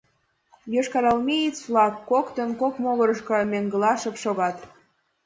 Йошкарармеец-влак коктын кок могырышто меҥгыла шып шогат.